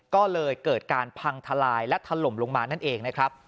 ก็เลยเกิดการพังทลายและถล่มลงมานั่นเองนะครับ